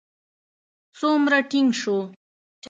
څومره ټينګ شو.